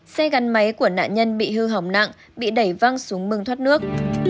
xe gắn máy của nạn nhân bị hư hỏng nặng bị đẩy văng xuống mương thoát nước